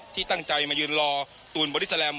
ที่ตั้งใจมายืนรอตูนบอดี้แลม